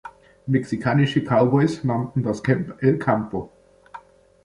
Mexikanische Cowboys nannten das Camp "El Campo".